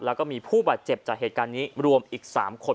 แล้วก็มีผู้บาดเจ็บจากเหตุการณ์นี้รวมอีก๓คน